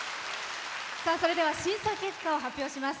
それでは、審査結果を発表します。